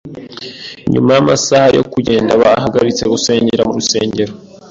Nyuma yamasaha yo kugenda, bahagaritse gusengera mu rusengero.